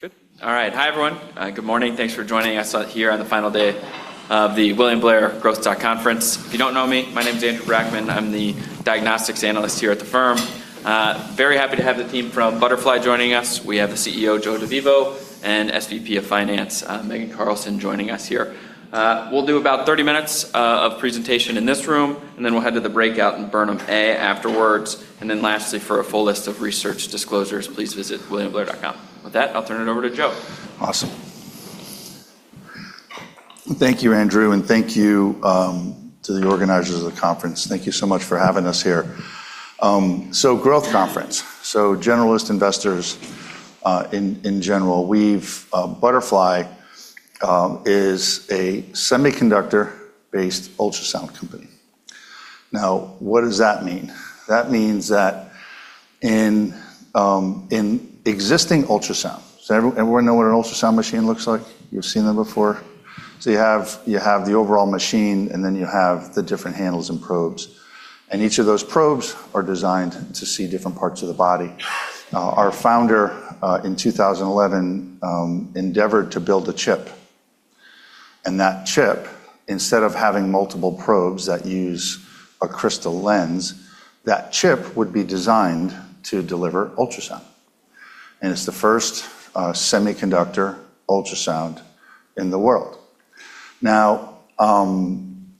Good. All right. Hi, everyone. Good morning. Thanks for joining us here on the final day of the William Blair Growth Stock Conference. If you don't know me, my name is Andrew Brackmann. I'm the Diagnostics Analyst here at the firm. Very happy to have the team from Butterfly joining us. We have the CEO, Joe DeVivo, and SVP of Finance, Megan Carlson, joining us here. We'll do about 30 minutes of presentation in this room, and then we'll head to the breakout in Burnham A afterwards. Lastly, for a full list of research disclosures, please visit williamblair.com. With that, I'll turn it over to Joe. Awesome. Thank you, Andrew, and thank you to the organizers of the conference. Thank you so much for having us here. Growth Conference, generalist investors in general. Butterfly is a semiconductor-based ultrasound company. Now what does that mean? That means that in existing ultrasound. Does everyone know what an ultrasound machine looks like? You've seen them before. You have the overall machine, and then you have the different handles and probes, and each of those probes are designed to see different parts of the body. Our Founder, in 2011, endeavored to build a chip, and that chip, instead of having multiple probes that use a crystal lens, that chip would be designed to deliver ultrasound, and it's the first semiconductor ultrasound in the world. Now, from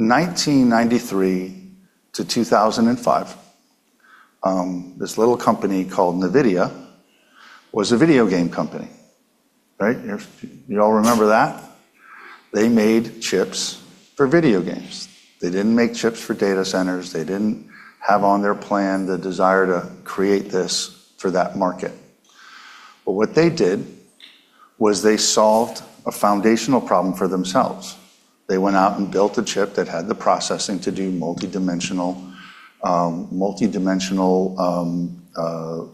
1993-2005, this little company called NVIDIA was a video game company. All right? all remember that? They made chips for video games. They didn't make chips for data centers. They didn't have on their plan the desire to create this for that market. What they did was they solved a foundational problem for themselves. They went out and built a chip that had the processing to do multi-dimensional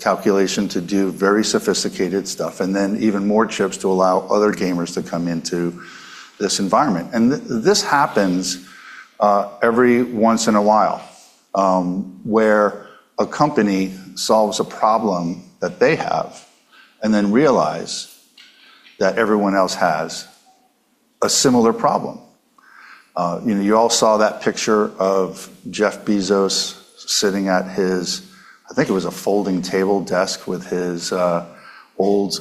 calculation to do very sophisticated stuff, and then even more chips to allow other gamers to come into this environment. This happens every once in a while, where a company solves a problem that they have and then realize that everyone else has a similar problem. You all saw that picture of Jeff Bezos sitting at his, I think it was a folding table desk with his old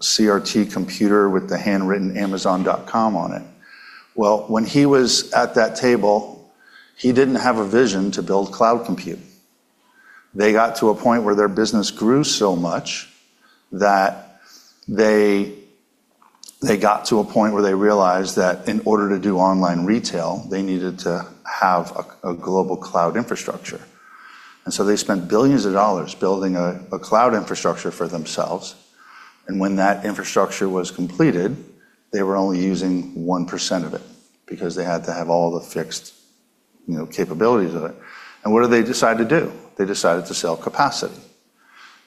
CRT computer with the handwritten amazon.com on it. When he was at that table, he didn't have a vision to build cloud computing. They got to a point where their business grew so much that they got to a point where they realized that in order to do online retail, they needed to have a global cloud infrastructure. They spent billions of dollars building a cloud infrastructure for themselves, and when that infrastructure was completed, they were only using 1% of it because they had to have all the fixed capabilities of it. What did they decide to do? They decided to sell capacity.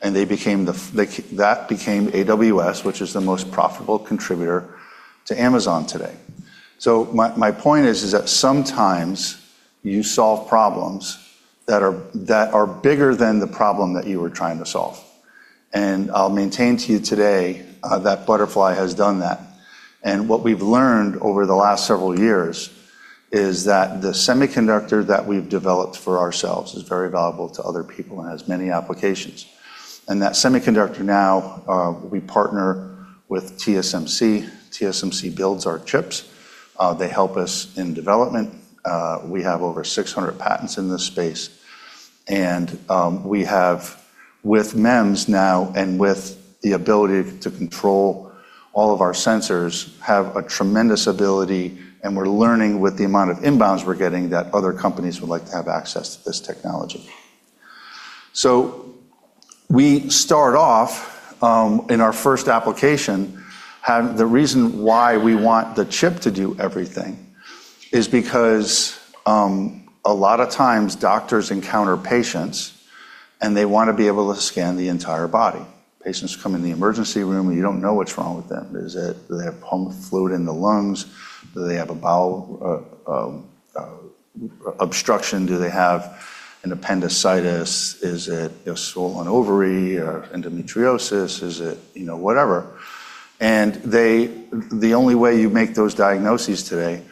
That became AWS, which is the most profitable contributor to Amazon today. My point is that sometimes you solve problems that are bigger than the problem that you were trying to solve. I'll maintain to you today that Butterfly has done that. What we've learned over the last several years is that the semiconductor that we've developed for ourselves is very valuable to other people and has many applications. That semiconductor now, we partner with TSMC. TSMC builds our chips. They help us in development. We have over 600 patents in this space, and we have with MEMS now and with the ability to control all of our sensors, have a tremendous ability, and we're learning with the amount of inbounds we're getting that other companies would like to have access to this technology. We start off in our first application. The reason why we want the chip to do everything is because a lot of times doctors encounter patients, and they want to be able to scan the entire body. Patients come in the emergency room, and you don't know what's wrong with them. Do they have lung fluid in the lungs? Do they have a bowel obstruction? Do they have an appendicitis? Is it a swollen ovary or endometriosis? Is it whatever? The only way you make those diagnoses today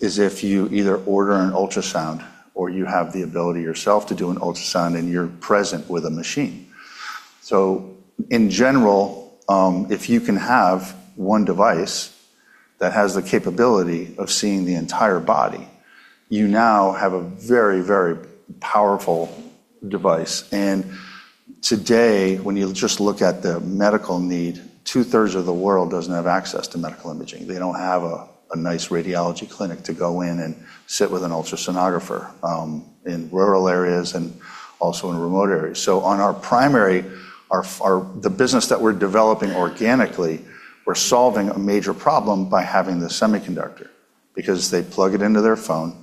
is if you either order an ultrasound or you have the ability yourself to do an ultrasound and you're present with a machine. In general, if you can have one device that has the capability of seeing the entire body, you now have a very, very powerful device. Today, when you just look at the medical need, 2/3 of the world doesn't have access to medical imaging. They don't have a nice radiology clinic to go in and sit with an ultrasonographer in rural areas and also in remote areas. On our primary, the business that we're developing organically, we're solving a major problem by having the semiconductor because they plug it into their phone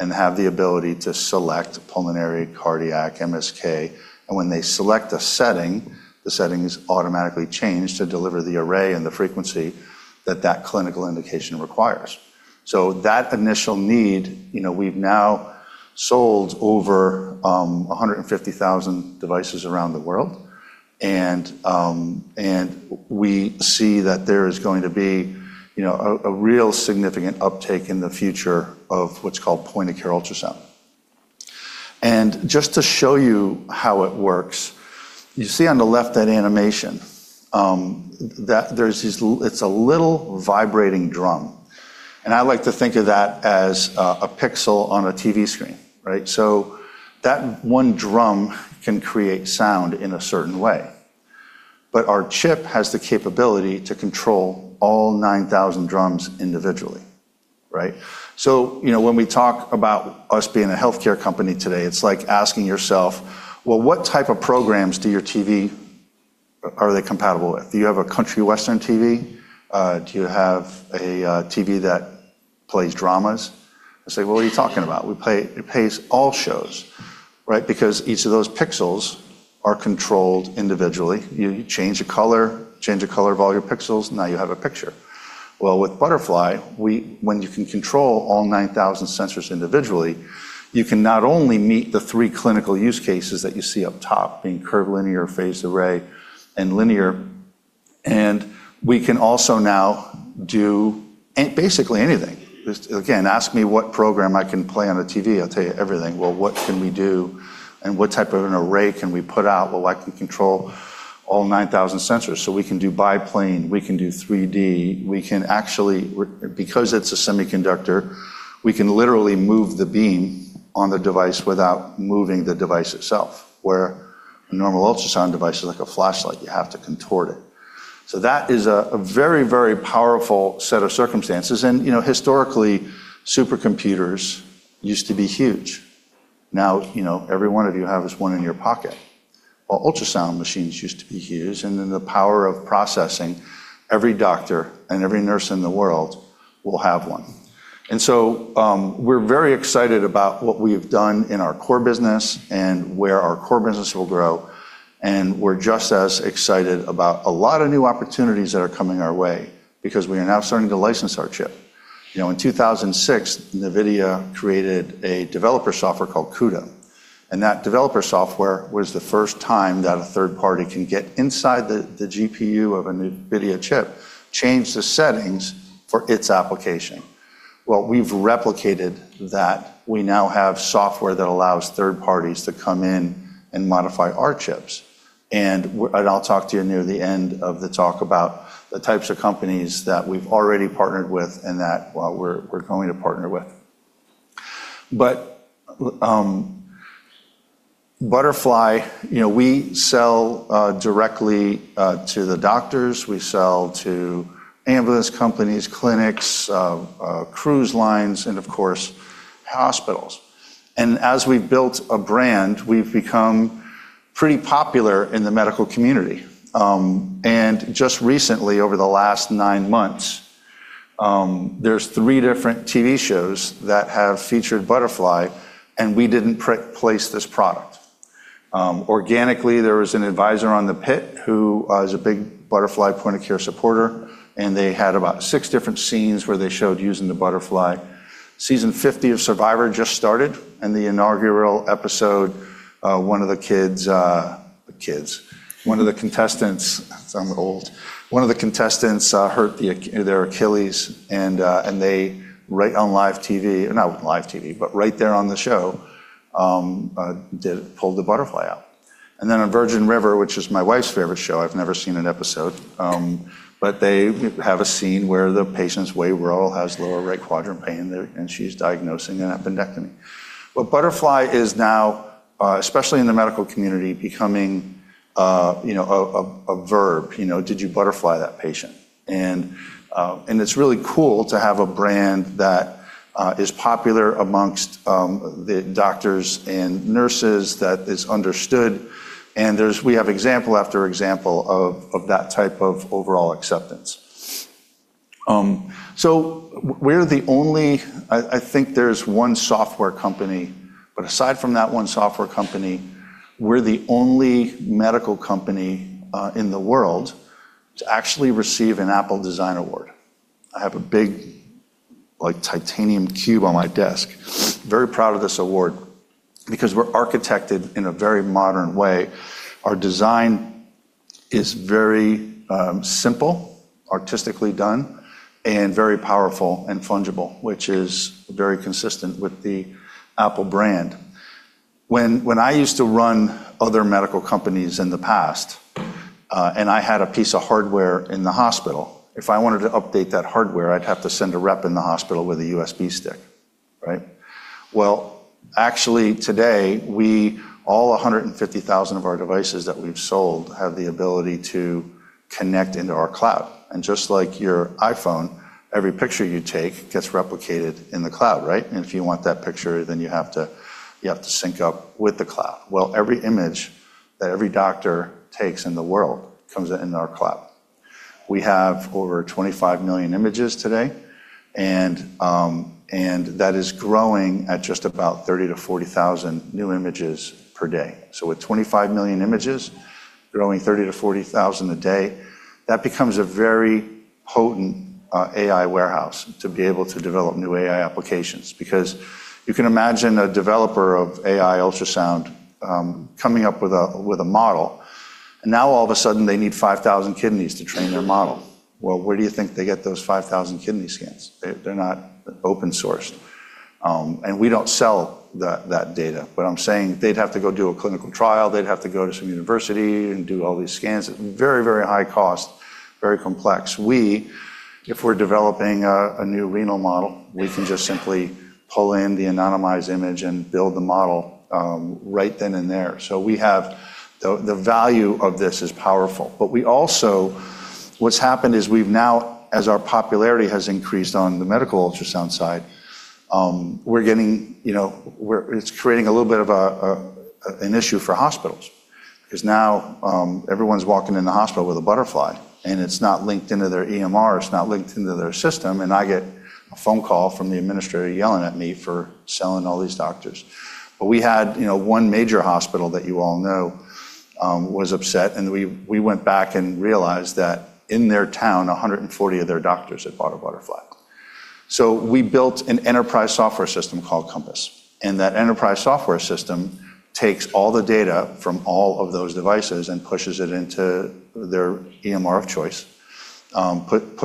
and have the ability to select pulmonary, cardiac, MSK. When they select a setting, the settings automatically change to deliver the array and the frequency that that clinical indication requires. That initial need, we've now sold over 150,000 devices around the world. We see that there is going to be a real significant uptake in the future of what's called point-of-care ultrasound. Just to show you how it works, you see on the left that animation. It's a little vibrating drum, and I like to think of that as a pixel on a TV screen. That one drum can create sound in a certain way, but our chip has the capability to control all 9,000 drums individually. When we talk about us being a healthcare company today, it's like asking yourself, "Well, what type of programs are your TV compatible with? Do you have a country western TV? Do you have a TV that plays dramas?" They say, "What are you talking about? It plays all shows." Because each of those pixels are controlled individually. You change a color, change a color of all your pixels, now you have a picture. With Butterfly, when you can control all 9,000 sensors individually, you can not only meet the three clinical use cases that you see up top, being curvilinear, phased array, and linear, and we can also now do basically anything. Again, ask me what program I can play on a TV, I'll tell you everything. What can we do and what type of an array can we put out? Well, I can control all 9,000 sensors, so we can do biplane, we can do 3D. Because it's a semiconductor, we can literally move the beam on the device without moving the device itself, where a normal ultrasound device is like a flashlight. You have to contort it. That is a very, very powerful set of circumstances. Historically, supercomputers used to be huge. Now, every one of you has one in your pocket. Well, ultrasound machines used to be huge, and then the power of processing, every doctor and every nurse in the world will have one. We're very excited about what we have done in our core business and where our core business will grow, and we're just as excited about a lot of new opportunities that are coming our way because we are now starting to license our chip. In 2006, NVIDIA created a developer software called CUDA, that developer software was the first time that a third-party can get inside the GPU of an NVIDIA chip, change the settings for its application. Well, we've replicated that. We now have software that allows third-parties to come in and modify our chips. I'll talk to you near the end of the talk about the types of companies that we've already partnered with and that we're going to partner with. Butterfly, we sell directly to the doctors, we sell to ambulance companies, clinics, cruise lines, and of course, hospitals. As we've built a brand, we've become pretty popular in the medical community. Just recently, over the last nine months, there's three different TV shows that have featured Butterfly, and we didn't place this product. Organically, there was an advisor on "The Pitt" who is a big Butterfly point of care supporter, and they had about six different scenes where they showed using the Butterfly. Season 50 of "Survivor" just started, and the inaugural episode, one of the contestants, I'm old. One of the contestants hurt their Achilles and they, right there on the show, pulled the Butterfly out. On "Virgin River," which is my wife's favorite show, I've never seen an episode, but they have a scene where the patient's way rural, has lower right quadrant pain, and she's diagnosing an appendectomy. Butterfly is now, especially in the medical community, becoming a verb. Did you butterfly that patient?" It's really cool to have a brand that is popular amongst the doctors and nurses, that is understood, and we have example after example of that type of overall acceptance. I think there's one software company, but aside from that one software company, we're the only medical company in the world to actually receive an Apple Design Award. I have a big titanium cube on my desk. Very proud of this award because we're architected in a very modern way. Our design is very simple, artistically done, and very powerful and fungible, which is very consistent with the Apple brand. When I used to run other medical companies in the past, and I had a piece of hardware in the hospital, if I wanted to update that hardware, I'd have to send a rep in the hospital with a USB stick. Well, actually, today, all 150,000 of our devices that we've sold have the ability to connect into our cloud. Just like your iPhone, every picture you take gets replicated in the cloud. If you want that picture, then you have to sync up with the cloud. Well, every image that every doctor takes in the world comes in our cloud. We have over 25 million images today, and that is growing at just about 30,000-40,000 new images per day. With 25 million images growing 30,000-40,000 a day, that becomes a very-potent AI warehouse to be able to develop new AI applications. You can imagine a developer of AI ultrasound coming up with a model, and now all of a sudden they need 5,000 kidneys to train their model. Well, where do you think they get those 5,000 kidney scans? They're not open sourced. We don't sell that data. I'm saying they'd have to go do a clinical trial, they'd have to go to some university and do all these scans at very, very high cost, very complex. We, if we're developing a new renal model, we can just simply pull in the anonymized image and build the model right then and there. The value of this is powerful. We also, what's happened is we've now, as our popularity has increased on the medical ultrasound side, it's creating a little bit of an issue for hospitals, because now everyone's walking in the hospital with a Butterfly, and it's not linked into their EMR, it's not linked into their system, and I get a phone call from the administrator yelling at me for selling all these doctors. We had one major hospital that you all know was upset, and we went back and realized that in their town, 140 of their doctors had bought a Butterfly. We built an enterprise software system called Compass. That enterprise software system takes all the data from all of those devices and pushes it into their EMR of choice,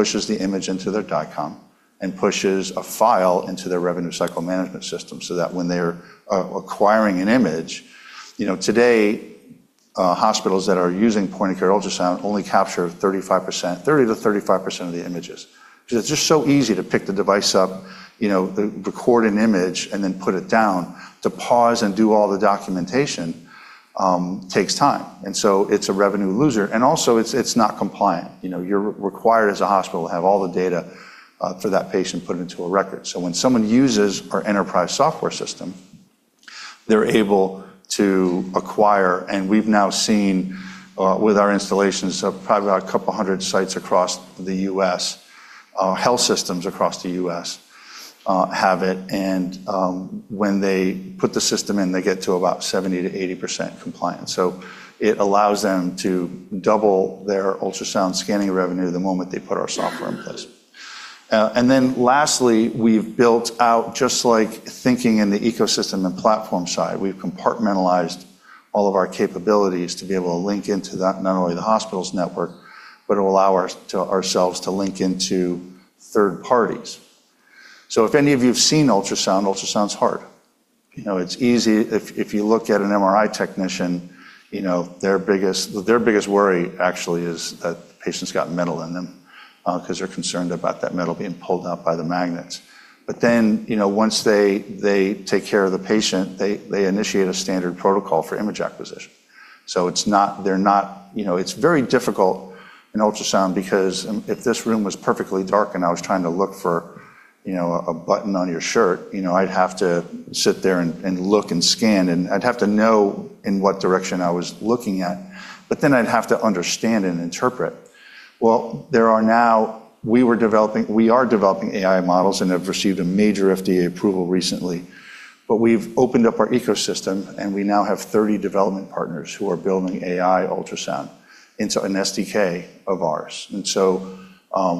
pushes the image into their DICOM, and pushes a file into their revenue cycle management system, so that when they're acquiring an image. Today, hospitals that are using point-of-care ultrasound only capture 30%-35% of the images. It's just so easy to pick the device up, record an image, and then put it down. To pause and do all the documentation takes time, it's a revenue loser. Also, it's not compliant. You're required as a hospital to have all the data for that patient put into a record. When someone uses our enterprise software system, they're able to acquire, and we've now seen with our installations, probably about a couple of hundred sites across the U.S., health systems across the U.S. have it, and when they put the system in, they get to about 70%-80% compliance. It allows them to double their ultrasound scanning revenue the moment they put our software in place. Lastly, we've built out, just like thinking in the ecosystem and platform side, we've compartmentalized all of our capabilities to be able to link into not only the hospital's network, but allow ourselves to link into third-parties. If any of you have seen ultrasound, ultrasound's hard. If you look at an MRI technician, their biggest worry actually is that the patient's got metal in them, because they're concerned about that metal being pulled out by the magnets. Once they take care of the patient, they initiate a standard protocol for image acquisition. It's very difficult in ultrasound because if this room was perfectly dark and I was trying to look for a button on your shirt, I'd have to sit there and look and scan, and I'd have to know in what direction I was looking at. I'd have to understand and interpret. Well, we are developing AI models and have received a major FDA approval recently. We've opened up our ecosystem, and we now have 30 development partners who are building AI ultrasound into an SDK of ours.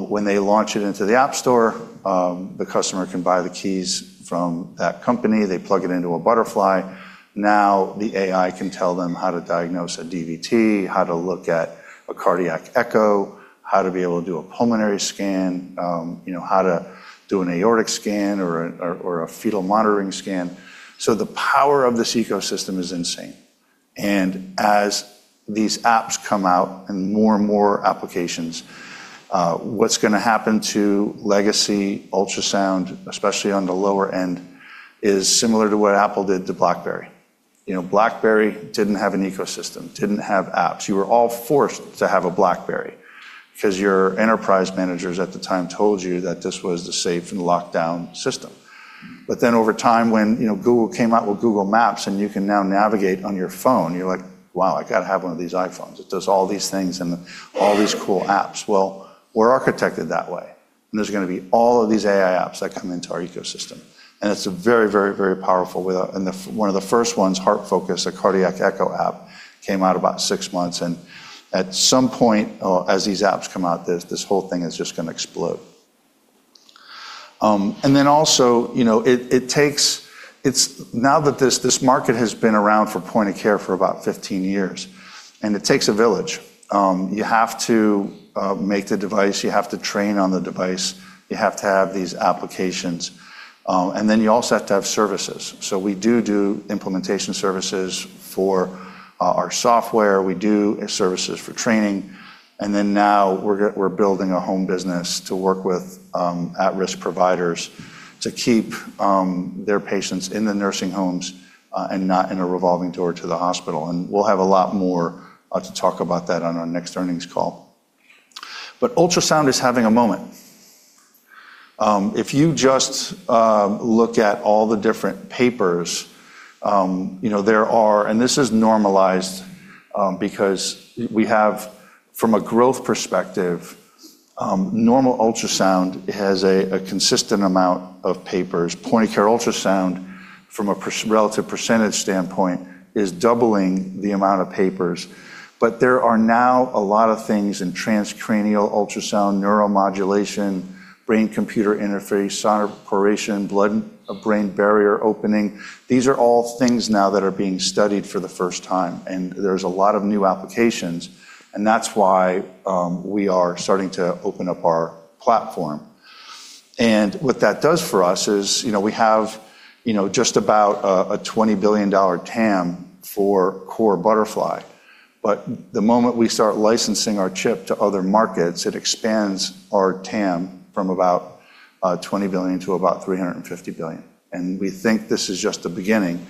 When they launch it into the App Store, the customer can buy the keys from that company. They plug it into a Butterfly. Now the AI can tell them how to diagnose a DVT, how to look at a cardiac echo, how to be able to do a pulmonary scan, how to do an aortic scan or a fetal monitoring scan. The power of this ecosystem is insane. As these apps come out and more and more applications, what's going to happen to legacy ultrasound, especially on the lower end, is similar to what Apple did to BlackBerry. BlackBerry didn't have an ecosystem, didn't have apps. You were all forced to have a BlackBerry because your enterprise managers at the time told you that this was the safe and locked-down system. Over time, when Google came out with Google Maps and you can now navigate on your phone, you're like, "Wow, I got to have one of these iPhones. It does all these things and all these cool apps." Well, we're architected that way, and there's going to be all of these AI apps that come into our ecosystem. It's very, very, very powerful. One of the first ones, HeartFocus, a cardiac echo app, came out about six months. At some point, as these apps come out, this whole thing is just going to explode. Now that this market has been around for point-of-care for about 15 years, and it takes a village. You have to make the device, you have to train on the device, you have to have these applications, and then you also have to have services. We do implementation services for our software. We do services for training. Now we're building a home business to work with at-risk providers to keep their patients in the nursing homes and not in a revolving door to the hospital. We'll have a lot more to talk about that on our next earnings call. Ultrasound is having a moment. If you just look at all the different papers, and this is normalized because we have, from a growth perspective, normal ultrasound has a consistent amount of papers. Point-of-care ultrasound, from a relative percentage standpoint, is doubling the amount of papers. There are now a lot of things in transcranial ultrasound, neuromodulation, brain computer interface, sonoporation, blood-brain barrier opening. These are all things now that are being studied for the first time, and there's a lot of new applications, and that's why we are starting to open up our platform. What that does for us is we have just about a $20 billion TAM for core Butterfly. The moment we start licensing our chip to other markets, it expands our TAM from about $20 billion to about $350 billion. We think this is just the beginning.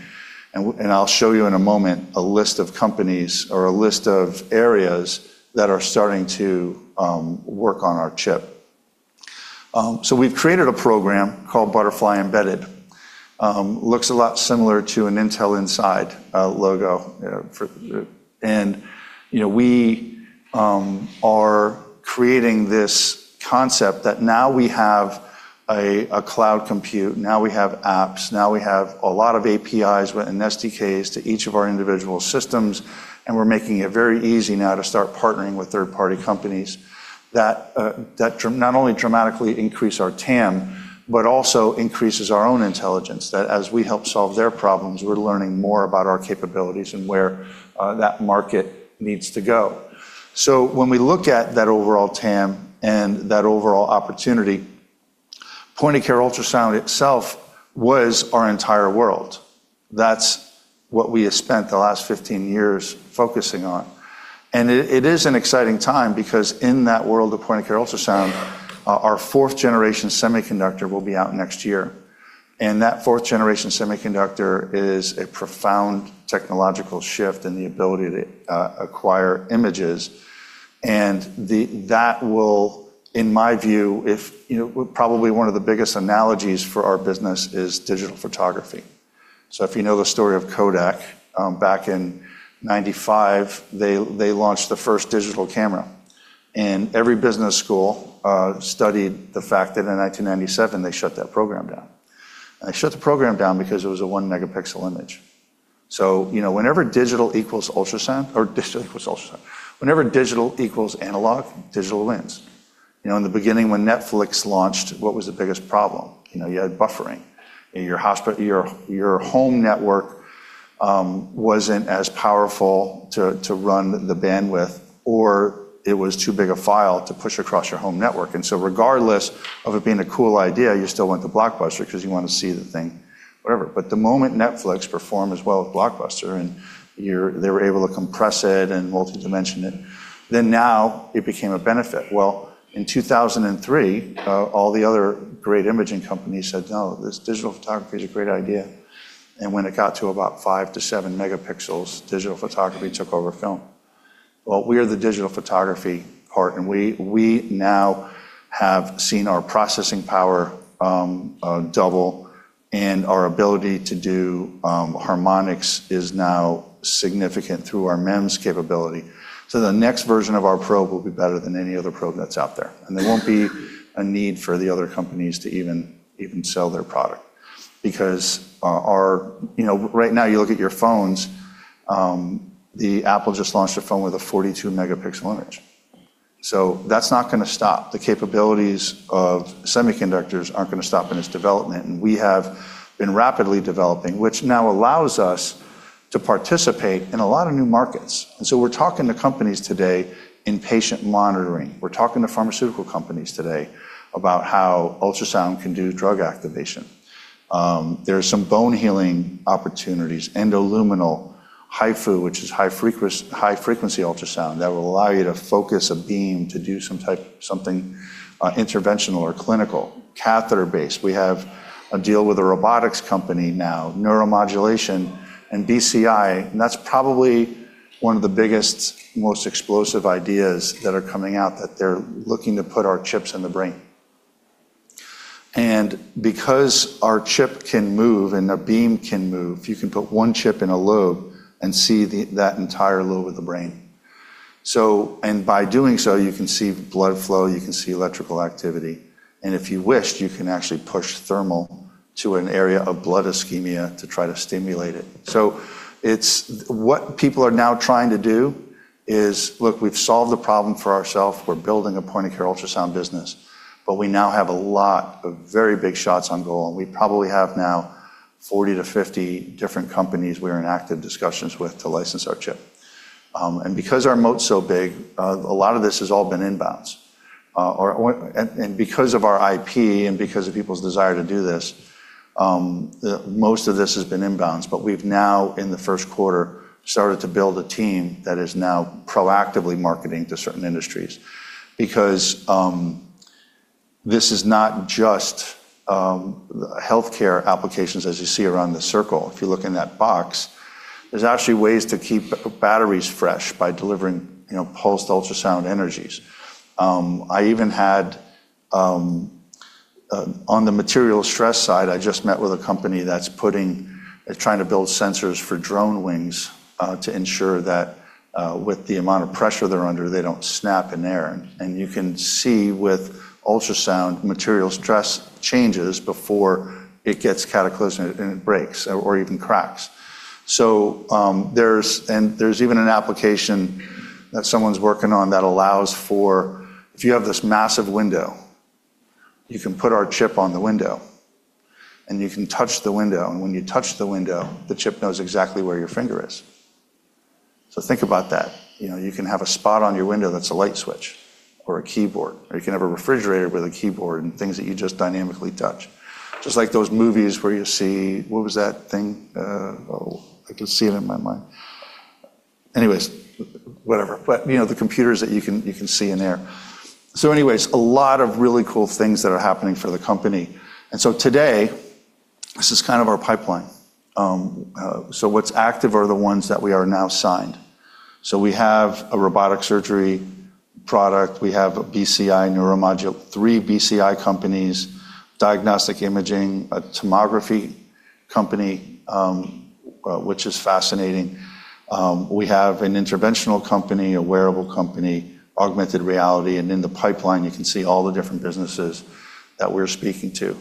I'll show you in a moment a list of companies or a list of areas that are starting to work on our chip. We've created a program called Butterfly Embedded. Looks a lot similar to an Intel Inside logo. We are creating this concept that now we have a cloud compute, now we have apps, now we have a lot of APIs and SDKs to each of our individual systems, and we're making it very easy now to start partnering with third-party companies that not only dramatically increase our TAM, but also increases our own intelligence, that as we help solve their problems, we're learning more about our capabilities and where that market needs to go. When we look at that overall TAM and that overall opportunity, point-of-care ultrasound itself was our entire world. That's what we have spent the last 15 years focusing on. It is an exciting time because in that world of point-of-care ultrasound, our fourth generation semiconductor will be out next year. That fourth generation semiconductor is a profound technological shift in the ability to acquire images. That will, in my view, probably one of the biggest analogies for our business is digital photography. If you know the story of Kodak, back in 1995, they launched the first digital camera. Every business school studied the fact that in 1997, they shut that program down. They shut the program down because it was a one megapixel image. Whenever digital equals analog, digital wins. In the beginning when Netflix launched, what was the biggest problem? You had buffering. Your home network wasn't as powerful to run the bandwidth, or it was too big a file to push across your home network. Regardless of it being a cool idea, you still went to Blockbuster because you want to see the thing, whatever. The moment Netflix performed as well as Blockbuster, and they were able to compress it and multi-dimension it, then now it became a benefit. Well, in 2003, all the other great imaging companies said, "No, this digital photography is a great idea." When it got to about five to seven megapixels, digital photography took over film. Well, we are the digital photography part, and we now have seen our processing power double and our ability to do harmonics is now significant through our MEMS capability. The next version of our probe will be better than any other probe that's out there. There won't be a need for the other companies to even sell their product. Because right now, you look at your phones, Apple just launched a phone with a 42-megapixel image. That's not going to stop. The capabilities of semiconductors aren't going to stop in its development, and we have been rapidly developing, which now allows us to participate in a lot of new markets. We're talking to companies today in patient monitoring. We're talking to pharmaceutical companies today about how ultrasound can do drug activation. There are some bone healing opportunities, endoluminal HIFU, which is high-frequency ultrasound, that will allow you to focus a beam to do something interventional or clinical, catheter-based. We have a deal with a robotics company now, neuromodulation, and BCI, and that's probably one of the biggest, most explosive ideas that are coming out, that they're looking to put our chips in the brain. Because our chip can move and a beam can move, you can put one chip in a lobe and see that entire lobe of the brain. By doing so, you can see blood flow, you can see electrical activity. If you wished, you can actually push thermal to an area of blood ischemia to try to stimulate it. What people are now trying to do is, look, we've solved the problem for ourself. We're building a point-of-care ultrasound business. We now have a lot of very big shots on goal, and we probably have now 40-50 different companies we're in active discussions with to license our chip. Because our moat's so big, a lot of this has all been inbounds. Because of our IP and because of people's desire to do this, most of this has been inbounds, but we've now, in the first quarter, started to build a team that is now proactively marketing to certain industries. This is not just healthcare applications as you see around the circle. If you look in that box, there's actually ways to keep batteries fresh by delivering pulsed ultrasound energies. On the material stress side, I just met with a company that's trying to build sensors for drone wings to ensure that with the amount of pressure they're under, they don't snap in air. You can see with ultrasound, material stress changes before it gets cataclysmic and it breaks or even cracks. There's even an application that someone's working on that allows for, if you have this massive window, you can put our chip on the window, and you can touch the window, and when you touch the window, the chip knows exactly where your finger is. Think about that. You can have a spot on your window that's a light switch or a keyboard. You can have a refrigerator with a keyboard and things that you just dynamically touch. Just like those movies where you see, what was that thing? I can see it in my mind. Anyways, whatever. The computers that you can see in there. Anyways, a lot of really cool things that are happening for the company. Today, this is kind of our pipeline. What's active are the ones that we are now signed. We have a robotic surgery product, we have a BCI neuromodule, three BCI companies, diagnostic imaging, a tomography company, which is fascinating. We have an interventional company, a wearable company, augmented reality, and in the pipeline, you can see all the different businesses that we're speaking to.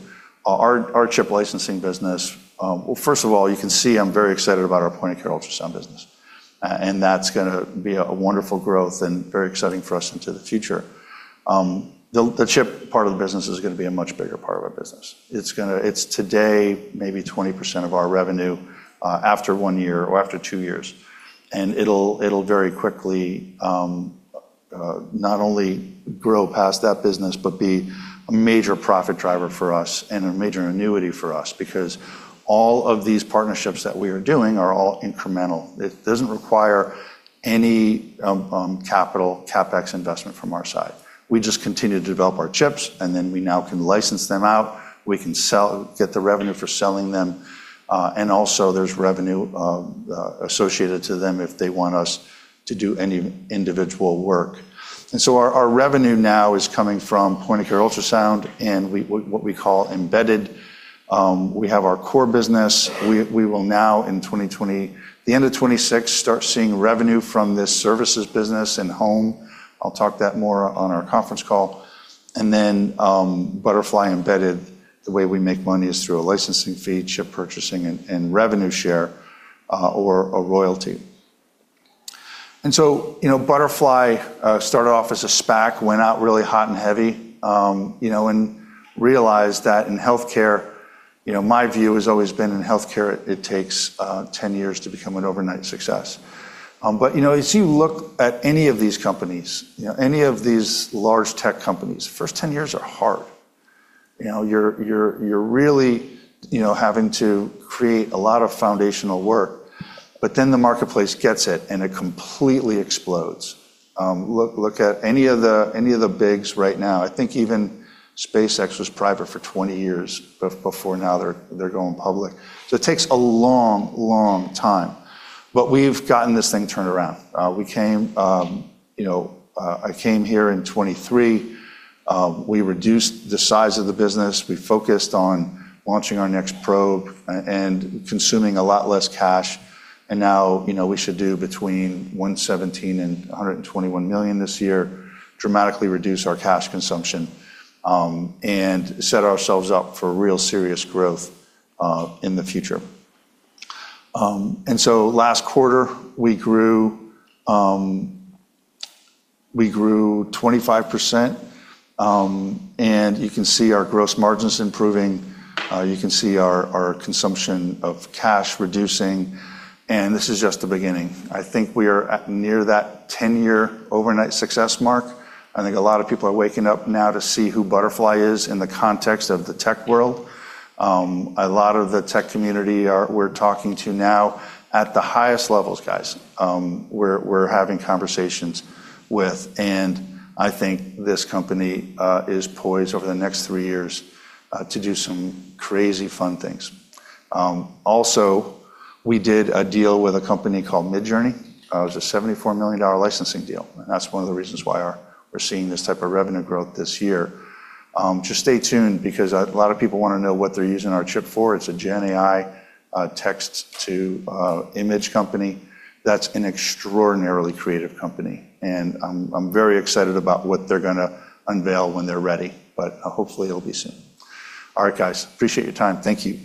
Our chip licensing business. Well, first of all, you can see I'm very excited about our point-of-care ultrasound business. That's going to be a wonderful growth and very exciting for us into the future. The chip part of the business is going to be a much bigger part of our business. It's today, maybe 20% of our revenue after one year or after two years. It'll very quickly not only grow past that business, but be a major profit driver for us and a major annuity for us, because all of these partnerships that we are doing are all incremental. It doesn't require any capital CapEx investment from our side. We just continue to develop our chips, and then we now can license them out, we can get the revenue for selling them. Also there's revenue associated to them if they want us to do any individual work. Our revenue now is coming from point-of-care ultrasound and what we call Embedded. We have our core business. We will now in the end of 2026, start seeing revenue from this services business and home. I'll talk that more on our conference call. Butterfly Embedded, the way we make money is through a licensing fee, chip purchasing, and revenue share, or a royalty. Butterfly started off as a SPAC, went out really hot and heavy, and realized that in healthcare, my view has always been in healthcare, it takes 10 years to become an overnight success. You look at any of these companies, any of these large tech companies, the first 10 years are hard. You're really having to create a lot of foundational work. The marketplace gets it, and it completely explodes. Look at any of the bigs right now. I think even SpaceX was private for 20 years, but before now, they're going public. It takes a long, long time. We've gotten this thing turned around. I came here in 2023. We reduced the size of the business. We focused on launching our next probe and consuming a lot less cash. Now, we should do between $117 million and $121 million this year, dramatically reduce our cash consumption, and set ourselves up for real serious growth in the future. Last quarter, we grew 25%, and you can see our gross margins improving. You can see our consumption of cash reducing, and this is just the beginning. I think we are at near that 10-year overnight success mark. I think a lot of people are waking up now to see who Butterfly is in the context of the tech world. A lot of the tech community we're talking to now at the highest levels, guys, we're having conversations with. I think this company is poised over the next three years to do some crazy fun things. Also, we did a deal with a company called Midjourney. It was a $74 million licensing deal. That's one of the reasons why we're seeing this type of revenue growth this year. Just stay tuned because a lot of people want to know what they're using our chip for. It's a GenAI text-to-image company that's an extraordinarily creative company. I'm very excited about what they're going to unveil when they're ready. Hopefully, it'll be soon. All right, guys. Appreciate your time. Thank you.